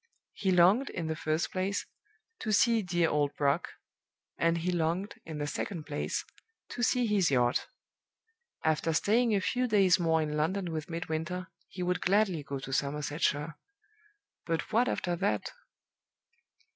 He longed, in the first place, to see 'dear old Brock,' and he longed, in the second place, to see his yacht. After staying a few days more in London with Midwinter, he would gladly go to Somersetshire. But what after that?